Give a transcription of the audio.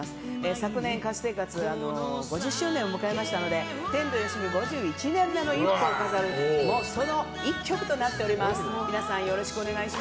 昨年、歌手生活５０周年を迎えましたので天童よしみ５１年目の一歩を飾る、その１曲となっております。